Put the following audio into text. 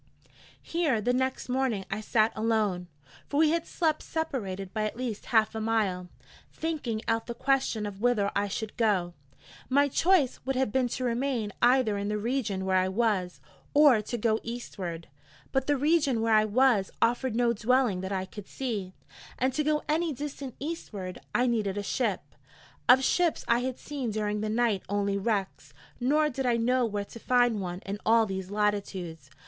Here, the next morning, I sat alone for we had slept separated by at least half a mile thinking out the question of whither I should go: my choice would have been to remain either in the region where I was, or to go Eastward: but the region where I was offered no dwelling that I could see; and to go any distance Eastward, I needed a ship. Of ships I had seen during the night only wrecks, nor did I know where to find one in all these latitudes.